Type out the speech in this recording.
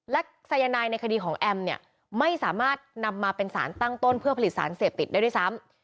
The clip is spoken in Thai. และสายนายในคดีของแอมเนี่ยไม่สามารถนำมาเป็นสารตั้งต้นเพื่อผลิตสารเสพติดได้ด้วยซ้ำ